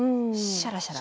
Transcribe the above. シャラシャラ。